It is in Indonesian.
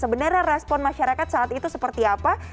sebenarnya respon masyarakat saat itu seperti apa